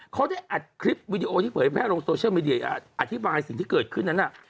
เขาได้อัดคลิปวิดีโอที่เผยแพร่ลงโซเชียลมีเดียอธิบายสิ่งที่เกิดขึ้นนั้นน่ะ